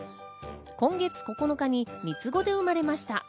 今月９日に３つ子で生まれました。